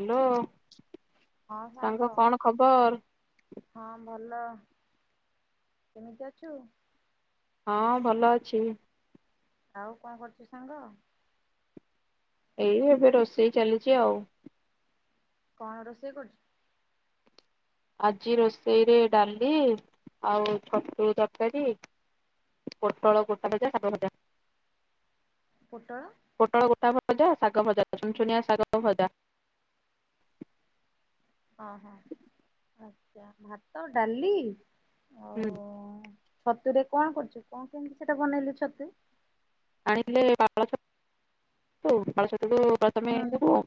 Hello ସାଙ୍ଗ କଣ ଖବର? ହଁ ଭଲ କେମିତି ଅଛୁ? ହଁ ଭଲ ଅଛି। ଆଉ କଣ କରୁଛୁ ସାଙ୍ଗ? ଏଇ ଏବେ ରୋଷେଇ ଚାଲିଛି ଆଉ। କଣ ରୋଷେଇ କରୁଛି? ଆଜି ରୋଷେଇରେ ଡାଲି ଆଉ ଛତୁ ତରକାରୀ ପୋଟଳ କସା ହେଇଥିଲା ଶାଗ ଭଜା। ପୋଟଳ ପୋଟଳ ଗୋଟା ଭଜା ଶାଗ ଭଜା ଚୁନଚୁନିଆ ଶାଗ ଭଜା। ଓଁ ହଁ ଆଚ୍ଛା ଭାତ ଡାଲି। ଆଉ ହୁଁ ଛତୁରେ କଣ କରୁଛୁ କଣ କେମିତି ସେଇଟା ବନେଇଲୁ ଛତୁ? ଆଣିଥିଲେ ପାଳ ଛତୁ ପାଳ ଛତୁକୁ ତମେ ପ୍ରଥମେ ହୁଁ ଧୋଇବୁ।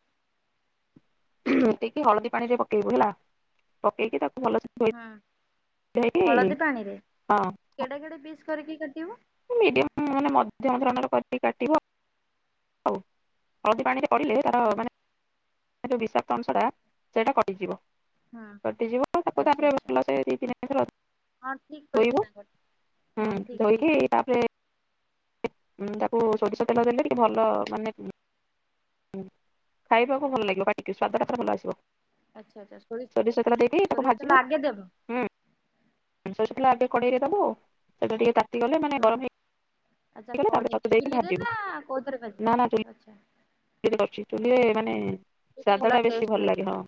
ଦେଇକି ହଳଦୀ ପାଣିରେ ପକେଇବୁ ହେଲା ପକେଇକି ତାକୁ ଭଲ ହୁଁ ହଁ [unintelligible] କେଡା କେଡେ ପିସ୍ କରିକି କଟିବ? ମିଡିୟମ ମାନେ ମଧ୍ୟମ ଧରଣର କରିକି କାଟିବ ଆଉ। ହଳଦୀ ପାଣିରେ ପଡ଼ିଲେ ତାର ଆଚ୍ଛା ମାନେ ବିଷାକ୍ତ ଅଂଶଟା ସେଇଟା କଟିଯିବ। ହଁ କଟିଯିବ ତାକୁ ଆଚ୍ଛା ତାପରେ ଆଚ୍ଛା ଭଲସେ ଦୁଇ ତିନି ଥର ହଁ ଠିକ କହିଲୁ ଧୋଇବ। ସାଙ୍ଗ ହୁଁ ହଁ ଠିକ ଠିକ ଧୋଇକି ତାପରେ ଉଁ ତାକୁ ସୋରିଷ ତେଲ ଦେଲେ କି ଭଲ ମାନେ ହୁଁ ଖାଇବାକୁ ଭଲ ଲାଗିବ ପାଟିକୀ ସୁଆଦ ଟା ତାର ଭଲ ଆସିବ। ଆଚ୍ଛା ଆଚ୍ଛା ସୋରିଷ ତେଲ ଦେଇ ତାକୁ ସୋରିଷ ତେଲ ଭାଜିବୁ ଆଗେ ଦେବ ହୁଁ। [unintelligible] ଆଗେ କଡେଇରେ ଦବ ସେଟ ଟିକେ ତା ତାତି ଗଲେ ମାନେ ହଁ ଗରମ ଆଚ୍ଛା ହେଇଗଲେ ତା ପରେ କଢେଇ ଛତୁ ଦେଇକି ଚୁଲିରେ ନା ଭାଯିବୁ କୋଉଥିରେ ଭାଜିବୁ? ନା ନା ଆଚ୍ଛା। କରୁଚି ଚୁଲିରେ ମାନେ ସ୍ବାଦ ଟା ବେଶୀ ଭଲ ଲାଗେ ହଁ।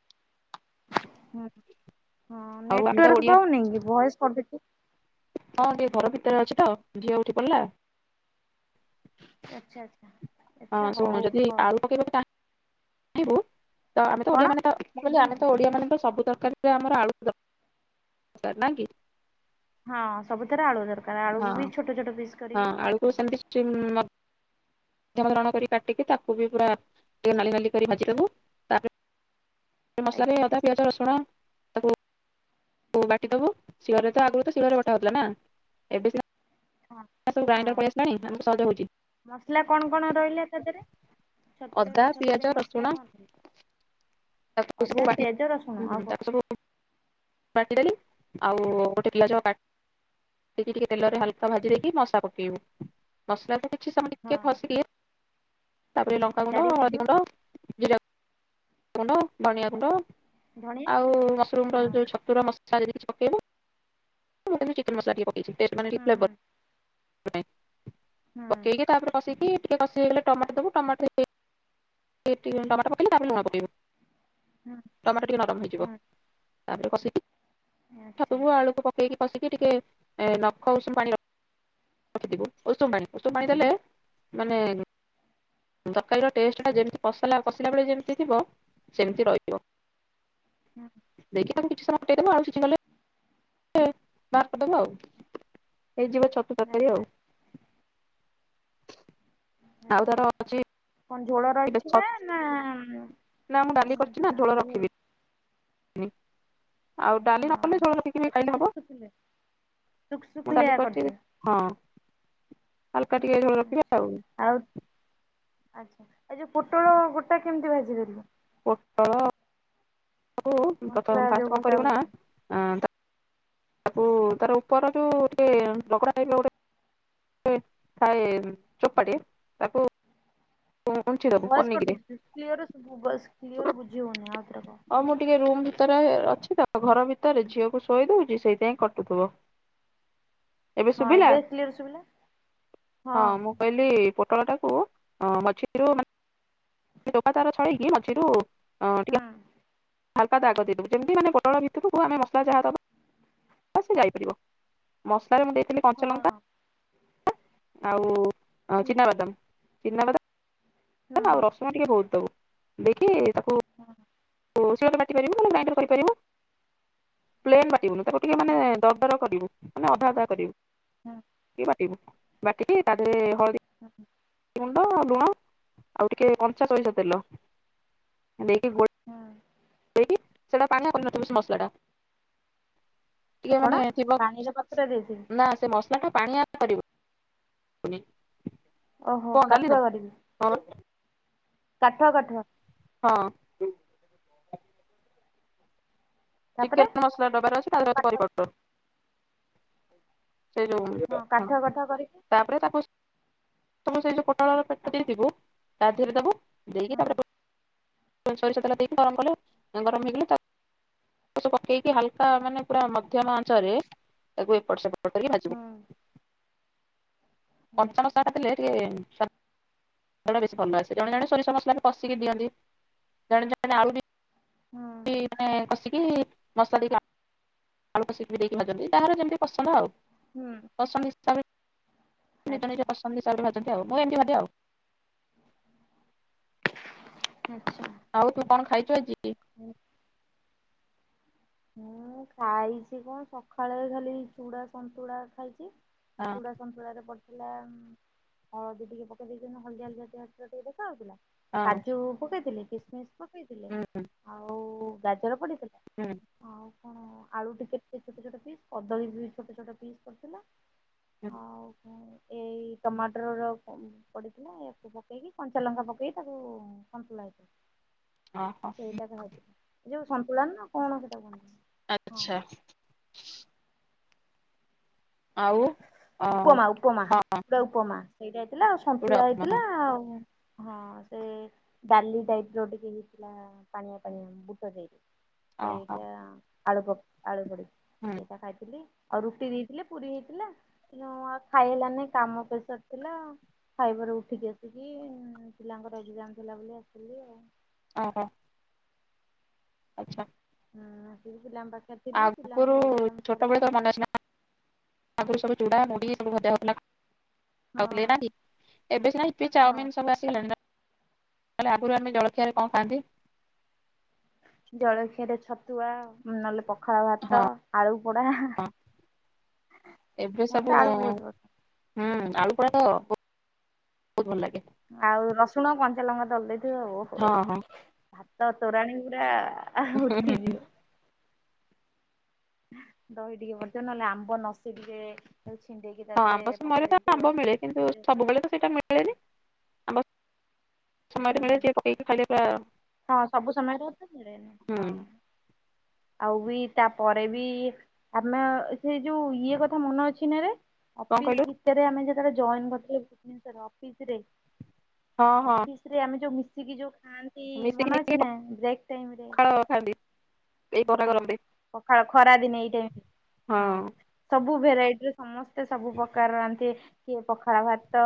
ହଁ ହଁ ହଉ ଆମେ ତ ନେଟୱାର୍କ ଓଡିଆ ପାଉନି କି ଭୟସ କଟୁଛି? ହଁ ଟିକେ ଘର ଭିତରେ ଅଛି ତ ଝିଅ ଉଠି ପଡିଲା। ଆଛା ଆଛା। ହଁ ଶୁଣେ ଯଦି ଆଳୁ ପକେଇବେ ତା ୁ [unintelligible] ତ ଆମେ ତ କଣ? ଓଡିଆ ମାନେ ତ ମୁଁ କହିଲି ଶୁଭୁନି ଆମେ ତ ଓଡିଆ ମାନଙ୍କ ସବୁ ତରକାରୀ ସେ ଆମର ଆଳୁ ଦରକାର [unintelligible] ନା କି? ହଁ ସବୁଥିରେ ଆଳୁ ଦରକାର ହଁ ଆଳୁକୁ ବି ଛୋଟ ଛୋଟ ପିଶ୍ ହଁ ଆଳୁକୁ ସେମିତି ସ୍ଟିମ ଣ [unintelligible] କରି କାଟିକି ତାକୁ ବି ପୁରା ଟିକ ନାଲି ନାଲି କରି ଭାଜିଦବୁ। ମସଲା ରେ ଆଜ୍ଞା ଅଦା ପିଆଜ ରସୁଣ ତାକୁ ତୁ ବାଟିଦବୁ ଶିଳରେ ତ ଆଗରୁ ତ ଶିଳରେ ବଟା ହଉଥିଲା ନା ଏବେ ସିନା ହ ସବୁ ହଁ ଗ୍ରାଇଣ୍ଡର ପଳେଇ ଆସିଲାଣି ଆମକୁ ସହଜ ହଉଛି ମସଲା କଣ କଣ ରହିଲା ତା ଦେହରେ? ଛତୁରେ ଅଦା ଛତୁ ପିଆଜ ପାଇଁ ମସଲା ରସୁଣ କଣ ତାକୁ ସବୁ ଅଦା ବାଟି ପିଆଜ ରସୁଣ ଆଉ କଣ? ତାକୁ ସବୁ ବାଟିଦେଲି ଆଉ ଗୋଟେ ପିଆଜ କା ଟିକେ ଟିକେ ତେଲରେ ହାଲକା ଭାଜି ଦେଇକି ମସଲା ପକେଇବୁ। ମସଲାକୁ କିଛି ସମୟ ଟିକେ ହଁ ଖସିଲେ ତାପରେ ଲଙ୍କା ଗୁଣ୍ଡ ଜାରି ହଳଦୀ ହେଇଯିବ ଗୁଣ୍ଡ ଜିରା ଗୁଣ୍ଡ ଧନିଆ ଗୁଣ୍ଡ ଧଣିଆ ଆଉ ମସୁରୁମର ହଁ ଯୋଉ ଛତୁର ମ ସିନ [unintelligible] କିଛି ପକେଇବୁ ମୁଁ ଖାଲି ଚିକେନ୍ ମସଲା ଟିକେଏ ପକେଇଛି ଟେଷ୍ଟ ମାନେ ହୁଁ ହୁଁ ଫେବାର୍ ହୁଁ ପକେଇକି ତାପରେ ବସେଇକି ଟିକେ କଷିଗଲେ ଟମାଟ ଦବୁ ଟମାଟୋ ରେ ଟିକେ ଟମାଟୋ ପକେଇଲେ ତାପରେ ଲୁଣ ପକେଇବୁ। ହୁଁ ଟମାଟ ଟିକେ ନରମ ହେଇଯିବ ହୁଁ ତାପରେ କସେଇକି ଆଚ୍ଛା। ଛତୁକୁ ଆଳୁକୁ ପକେଇକି କସିକି ଟିକେ ନଖ ଉସୁମୁ ପାଣି [unintelligible] ଉଷୁମ ପାଣି ଉଷୁମ ପାଣି ଦେଲେ ମାନେ ତରକାରୀର ଟେଷ୍ଟ ଯେମିତି କସିଲା କଶିଲା ବେଳେ ଯେମିତି ଥିବ ସେମିତି ରହିଥିବ। ହୁଁ। ଦେଇକୀ ତାକୁ କିଛି ସମୟ ଫୁଟେଇ ଦବ ଆଳୁ ସିଜୀ ଗଲେ ବାହାର କରିଦେବୁ ଆଉ। ହେଇଯିବ ଛତୁ ତକାରୀ ଆଚ୍ଛା ଆଉ। ଆଉ ଆଚ୍ଛା ତାର ଅଛି କଣ ଝୋଳ ରଖିବେ ନା ନା ମୁଁ ଡାଲି କରିଛି ନା ଝୋଳ ରଖିବିନି। ଆଉ ଡାଲି ହଁ ନ କଲେ ଝୋଳ ରଖିକି ଆଚ୍ଛା ଖାଇଲେ ହବ ଶୁଖୁଥିଲେ ଶୁଖ ମୁଁ ଶୁଖିଲିଆ ଡାଲି କରିଛି। କରିଛୁ ହଁ। ହାଲକା ଟିକେ ଝୋ ଆଚ୍ଛା ଆଉ ଆଚ୍ଛା ଆ ଯୋଉ ପୋଟଳ ଗୋଟା କେମିତି ଭାଜି ପାରିବା? ପୋଟଳ କୁ ତ ମସଲା ଯୋଉ ଫାଷ୍ଟ କଣ ଗୋଟା କରିବୁ ନା ଭାଜି [unintelligible] ଏ ଥାଏ ଚପାଟିଏ ତାକୁ ଉଁଛି ଦବୁ ଭୟସ୍ ପନିକିରେ କଟୁଛି [unintelligible] କ୍ଲିୟର ବୁଝି ହଉନି ଆଉଥରେ କହ। ଆଉ ମୁଁ ଟିକେ ରୁମ୍ ଭି ତରେ ଅଛି ତ ଘର ଭିତରେ ଝିଅକୁ ଶୋଇ ଦଉଛି ସେଇଥିପାଇଁ କଟୁଥିବ। ଏବେ ହଁ ଶୁବିଲା କ୍ଲିୟର ଶୁଭିଲା ହଁ ମୁଁ। କହିଲି ପୋଟଳଟାକୁ ଅ ମଝିରୁ ମାନ ଚୋପା ତାର ଛାଡ଼େଇକି ମଝିରୁ ଅଁ ହୁଁ। ଟିକେ ହାଲକା ଦାଗ ଦେଇଦେବୁ ଯେମିତି ମାନେ ପୋଟଳ ଭିତରକୁ ଆମେ ମସଲା ଯାହା ଦେବା ସେ ଯାଇଥିବ। ମସଲାରେ ମୁଁ ଦେଇଥିଲି ହଁ କଞ୍ଚଲଙ୍କା ଆଉ ଆଉ ହୁଁ ଚିନାବାଦମ୍ ହୁଁ ଚିନାବାଦମ୍ ଆଉ ରସ୍ [unintelligible] ଦେଇକି ତାକୁ ହଁ। ଶିଳ ରେ ବାଟି ପାରିବୁ ଗ୍ରାଇଣ୍ଡର୍ କରିପାରିବୁ ପ୍ଲେନ୍ ବାଟିବୁନୁ ତାକୁ ଟିକେ ହୁଁ ମାନେ ଦର ଦର କରିବୁ। ମାନେ ଅଧା ଅଧା କରିବୁ ହୁଁ କିଏ ବାଟିବୁ ବାଟିକି ତା ଦେହରେ ହଳଦୀ ହୁଁ ହୁଁ। ଗୁଣ୍ଡ ଆଉ ଲୁଣ ଆଉ ଟିକେ କଞ୍ଚା ସୋରିଷ ତେଲ ଦେଇକି ଗୋଳ ହଁ। ଦେଇକି ସେଟା ପାନିଆ କରିନଥିବୁ ସେ ମସଲାଟା ଟିକେ କଣ ମାନେ ଥିବ ପାଣିରେ ବତୁରେଇ ଦେଇଥିବି ନା ସେ ମସ ଓହୋ କାଠୁଆ କରିବି [unintelligible] କାଠୁଆ କାଠୁଆ ହଁ। ତାପରେ ଚିକେନ୍ ମସଲା ଡବାର ଅଛି [unintelligible] ସେଇ ଯଉ ହଁ କାଠ କାଠ କରିକି ତାପରେ ତାକୁ ହୁଁ [unintelligible] ସରିଷତେଲ ଦେଇକି ଗରମ କଲେ ଗରମ ହେଇଗଲେ ତା ସ ପକେଇକି ହାଲକା ମାନେ ପୁରା ମଧ୍ୟମ ଆଞ୍ଚରେ ତାକୁ ଏପଟ ସେପଟ କରିକି ଭାଜିବୁ। ହୁଁ ଆଚ୍ଛା [unintelligible] ବେଶୀ ଭଲ ଆସେ ଜଣେ ଜଣେ ସୋରିଷ ମସଲା ବି କଶିକି ଦିଅନ୍ତି ଜଣେ ଜଣେ ଆଳୁବି ହୁଁ। ମାନେ କଷିକି ମସଲି ଘା [unintelligible] ହୁଁ। ପସନ୍ଦ ହିସାବରେ ନିଜ ନିଜ ଆଚ୍ଛା ପସନ୍ଦ ହିସାବରେ ବଞ୍ଚନ୍ତି ଆଉ ମୁଁ ଏମିତି ଭାବେ ଆଉ ଆଚ୍ଛା। ଆଉ ତୁ କଣ ଖାଇଛୁ ଆଜି? ହୁଁ। ମୁଁ ଖାଇଛି କଣ ସଖାଳେ ଖାଲି ଚୁଡ଼ା ସନ୍ତୁଳା ଖାଇଛି ହଁ ଚୁଡ଼ା ସନ୍ତୁଳାରେ ପଡ଼ି ଥିଲା ହଳଦୀ ଟିକେ ପକେଇ ଦେଇଛନ୍ତି ହଳଦିଆ [unintelligible] ଟିକେ ଦେଖା ହଉଥିଲା। ହଁ କାଜୁ ପକେଇଥିଲି କିସମିସ ପକେଇଥିଲେ ହୁଁ ଆଉ ଗାଜର ପଡ଼ିଥିଲା। ହୁଁ। ଆଉ କଣ, ଆଳୁ ଟେ [unintelligible] ଛୋଟ ଛୋଟ ପିସ୍, କଦଳୀ ବି ଛୋଟ ଛୋଟ ପିସ୍ କରିଥିଲା। ହୁଁ। ଆଉ ଏଇ ଟମାଟରର ପଁ ପଡ଼ିଥିଲା ଏହାକୁ ପକେଇକି କଞ୍ଚା ଲଙ୍କା ପକେଇକି ତାକୁ [unintelligible] [inaudible] ସେଇଟା କାହା ଯୋଉ, ଯୋଉ ସନ୍ତୁଳା ନା କଣ ସେଟା କଣ ଆଚ୍ଛା। ଆଉ ଅ ଉପମା ଉପମା, ହଁ ଚୁଡ଼ା ଉପମା ସେଇଟା ହେଇଥିଲା ଆଉ ଚୁଡା ସନ୍ତୁଳା ଉପମା ହଁ ହେଇଥିଲା ଆଉ ହଁ ସେ ଡାଲି ଟାଇପ୍ର ଟିକେ ହେଇଥିଲା, ପାଣିଆ ପାଣିଆ ବୁଟଯାଇ ଓହୋ ସେଇଟା ଆଳୁ ପ ଆଳୁ ପଡି, ହୁଁ ସେଇଟା ଖାଇଥିଲି। ଆଉ ରୁଟି ଦେଇଥିଲେ, ପୁରୀ ହେଇଥିଲା। ନୁଆ ଖାଇଲାନି କାମ ପ୍ରେସର ଥିଲା, ଖାଇବାରୁ ଉଠିକି ଆସିକି ପିଲାଙ୍କର ଏକ୍ଜାମ ଥିଲା ବୋଲି ଆସିଲି ଆଉ। ଓହ। ଆଚ୍ଛା। ଆଁ, ସେ ବି ପିଲାଙ୍କ ପା ଆଗରୁ ଛୋଟବେଳେ ତୋ ମନେ ଅଛି ନା, ଆଗରୁ ସବୁ ଚୁଡ଼ା, ମୁୁଢ଼ୀ ସବୁ ଭଜା ହଉଥିଲା। ହଁ [unintelligible] ଏବେଶୀନା ଇଟିଲି ହଁ ଚାଓମିିନ ସବୁ ଅସ୍ [unintelligible] ତାଲେ ଆଗରୁ ଆମେ ଜଳଖିଆରେ କଣ ଖାଆନ୍ତି? ଜଳଖିଆ ରେ ଛତୁଆ, ନହେଲେ ପ ପଖଳ ଭାତ, ହଁ ଆଳୁ ପୋଡା, ହଁ ଏବେ ମୋର ସବୁ ତ ଆଳୁ ବହୁତ ପ ହୁଁ ଆଳୁ ପୋଡା ତ ବୋ, ବହୁତ ଭଲ ଲାଗେ। ଆଉ ରସୁଣ କଞ୍ଚାଲଙ୍କା ଦଲ ଦେଇେଇଥିବୁ ଆଉ। ହଁ ହଁ। ଭାତ ତୋରାଣୀ ପୁରା ଆଃ ଉଠିଯିବ। ଦହି ଟିକେ ପଡ଼ିଥିବ, ନହେଲେ ଆମ୍ବ ନସି ଟିକେ ତାକୁ ଛିଣ୍ଡେଇ କି ହଁ ଆମ୍ବ ସମୟରେ ତ ଆମ୍ବ ମିଳେ କିନ୍ତୁ ସବୁବେଳେ ତ ସେଇଟା ମିଳେନି, ଆମ୍ବ ସମୟ ହୁଁ ରେ ମିଳେ ଯେ [unintelligible] ବା ହଁ ସବୁ ସମୟରେ ତ ମିଳେନି, ହଁ। ଆଉ ବି ତାପରେ ବି, ଆମେ ସେଇ ଯୋଉ ଇଏ କଥା ମନେ ଅଛି ନା ରେ? କଣ ଅଫିସ କହିଲୁ ଭିତରେ ଆମେ ଯେତେବେଳେ ଜଏନ କରିଥିଲେ ଭୁବନେଶ୍ୱର ଅଫିସରେ, ହଁ ହଁ ଅଫିସ୍ ରେ ଆମେ ଯୋଉ ମିଶିକି ଯୋଉ ଖାଆନ୍ତି ମିଶିକି ମନା ମିଶିକି ଅଛି ନା ବ୍ରେକ୍ ଟାଇରେ। ପଖାଳ ଖାଆନ୍ତି ଏଇ ଖରା ହଁ ଗରମରେ ପଖାଳ ଖରାଦିନେ ଏଇ ଟାଇମ, ହଁ। ସବୁ ଭେରାଇଟି ର ସମସ୍ତେ ସବୁ ପ୍ରକାର ଆନ୍ତି। କିଏ ପଖାଳ ଭାତ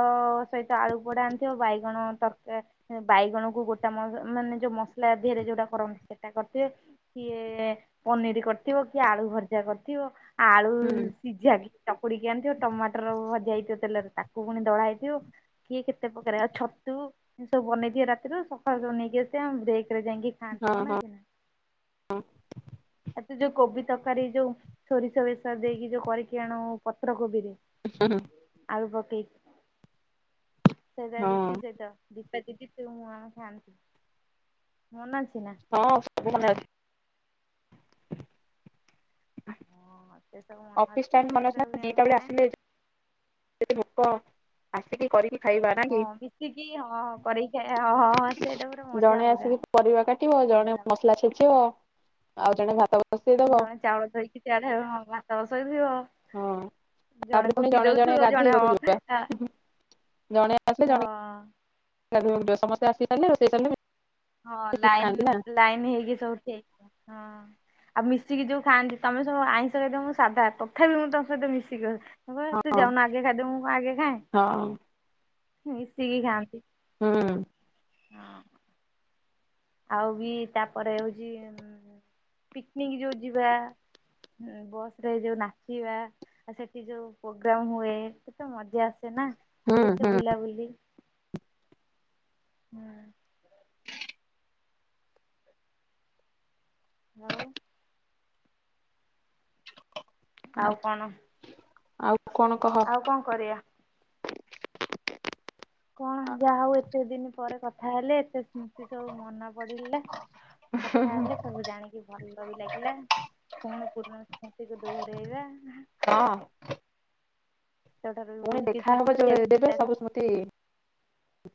ସହିତ ଆଳୁ ପୋଡା ଆଣିଥିବ, ବାଇଗଣ ତରକାର ବାଇଗଣକୁ ଗୋଟା ମଶ୍ ମାନେ ଯୋଉ ମସଲା ଦେହରେ ଯୋଉଟା କରନ୍ତି ସେଟା କରିଥିବେ। କିଏ ପନିର କରିଥିବ, କିଏ ଆଳୁ ଭଜା କରିଥିବ, ଆଳୁ ହୁଁ ସିଝା ବି ଚକୁଡିକି ଆଣିଥିବ, ଟମାଟର ଭଜା ହେଇଥିବ ତେଲରେ, ତାକୁ ପୁଣି ଦଳା ହେଇଥିବ। କିଏ କେତେ ପ୍ରକାରେ, ଆଉ ଛତୁ ଏ ସବୁ ବନେଇ ଥିବେ ରାତିରୁ, ସକାଳୁ ସବୁ ନେଇ [unintelligible] ବ୍ରେକରେ ଯାଇକି ଖାଆନ୍ତି, ହଁ ମନେ ହଁ। ଅଛି ନା? ଏ ତୁ ଯୋଉ କୋବି ତରକାରୀ ଯୋଉ ସୋରିଷ ବେଶର ଦେଇକି ଯୋଉ କରିକି ଆଣୁ ପତ୍ର କୋବି ରେ। ହୁଁ ହୁଁ। ଆଳୁ ପକେଇ, ସେରା ହଁ ରୁଟି ସେହିତ ଦୀପା ଦିଦି ତୁ ମୁଁ ଆମେ ଖଆନ୍ତି ମନେ ଅଛି ନା। ହଁ ସବୁ ମନେ ଅଛି। ହ। ହଁ ସେ ସବୁ ମନେ ଅଛି ସେଗୁଡ଼ା ଵି ଆମେ ଖାଇଛୁ। ଯଦି ଭୋକ ଆସିକି କରିକି ଖାଇବା ନାଇ କି। କି ହଁଁ କରିକି ଖଇବା ହଁ ହଁ ହଁ ସେଇଟା ପୁରା ମଜା ଜଣେ ଅଲଗା ଅଲଗା ଅଲଗା। କୁହ ଆଉ ଜଣେ ଭାତ ବସେଇଦବ ଜଣେ ଚାଉଳ ଧୋଇକି ସିଆଡ ହେବେ ମୁଁ ଭାତ ବସେଇ ବି ଆଉ। ହଁ ଜଣେ ତାପରେ ପୁଣି କୁଟି ଦଉଥୁବ ଜଣେ ଗାଧେଇବାକୁ ଅ ଯିବା ନା ଜଣେ ଆସିଲେ ଜଣେ ସମସ୍ତେ ଆସିଗଲେ ରୋଷେଇ ସଇଲେ ଜିବୁ। ହଁ ଲାଇନ୍ ଲାଇନ୍ ହେଇକି ସବୁଠି ଏକ ହଁ। ହଁ ଆଉ ମିଶିକି ଯୋଉ ଖାଆନ୍ତି ତମେ ସବୁ ଆଇଁଷ ଖାଇଦଅ ମୁଁ ସାଧା ତଥାପି ମୁଁ ତମ ସହିତ ମିଶିକି ଅଛି। ତୁ ହଁ ଯାଉନୁ ଆଗେ ଖାଇଦବୁ ମୁଁ ଆଗେ ଖାଏ ହଁ ମିଶିକି ଖାଆନ୍ତି। ହୁଁ। ହଁ। ଆଉ ବି ତାପରେ ହଉଛି ପିକନିକ ଯୋଉ ଯିବା। ଏ ବସ ରେ ଯୋଉ ନାଚିବା। ଆଉ ସେଠି ଯୋଉ ପୋଗ୍ରାମ ହୁଏ ସେତ ମଜା ଆସେ ନା ହୁଁ କେତେ ହୁଁ ବୁଲାବୁଲି। ହଁ। ଆଉ। ଆଉ ଆଉ କଣ କହ? ଆଉ କଣ କରିବା? କଣ ଯାହା ହଉ ଏତେ ଦିନ ପରେ କଥା ହେଲେ ଏତେ ସ୍ମୃତି ସବୁ ମନା ପଡିଲା। ହୁଁ କଥା ହୁଁ ହେଲେ ସବୁ ଜାଣିକି ଭଲ ବି ଲାଗିଲା। ପୁଣି ପୁରୁଣା ସ୍ମୃତିକୁ ଦୋହରାଇବା। ହଁ। ସେଠାରୁ ବି ପୁଣି ବହୁତ କିଛି ଦେଖାହବ ଯୋଉ ଶିଖିବାକୁ ଦେବେ ମିଳିଲା। ସବୁ ସ୍ମୃତି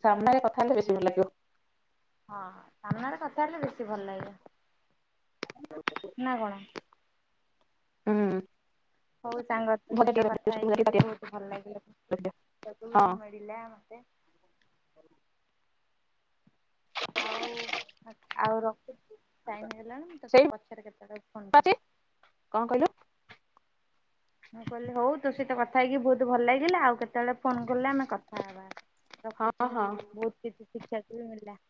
ସାମ୍ନାରେ କଥା ହେଲେ ବେଶୀ ଭଲ ଲାଗିବ। ହଁ ସାମ୍ନାରେ କଥା ହେଲେ ବେଶୀ ଭଲ ଲାଗେ ନା କଣ। ହଁ। ହଉ ସାଙ୍ଗ ତୋ ସହିତ କଥା ହେଇକି ବି ବହୁତ ଭଲ ଲାଗିଲା। ହଁ ପିଲା ମତେ ଆଉ ଆଉ ରଖୁଛି ଟାଇମ୍ ହେଲାଣି ମୁଁ ତୋତେ ସେଇଠି ପଛରେ କେତେବେଳେ ଫୋନ ଅଛି କରିବି। କଣ କହିଲୁ? ମୁଁ କହିଲି ହଉ ତୋ ସହିତ କଥା ହେଇକି ବହୁତ ଭଲ ଲାଗିଲା ଆଉ କେତେ- ସେତେବେଳେ ଫୋନ କଲେ ଆମେ କଥା ହେବା ହଁ ରଖୁଛି ହଁ। ବହୁତ କିଛି ଶିଖିବାକୁ ବି ମଳିଲା।